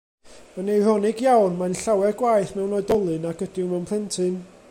Yn eironig iawn, mae'n llawer gwaeth mewn oedolyn nag ydyw mewn plentyn.